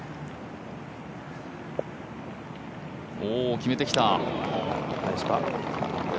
決めてきた。